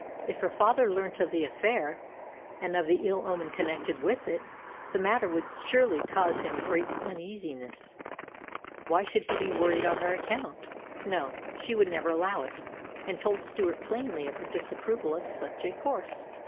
If her father learnt of the affair, and of the ill omen connected with it, the matter would surely cause him great uneasiness. Why should he be worried on her account? No, she would never allow it, and told Stewart plainly of her disapproval of such a course.